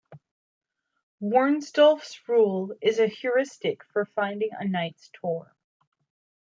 Warnsdorf's rule is a heuristic for finding a knight's tour.